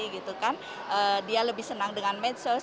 dia lebih senang dengan medsos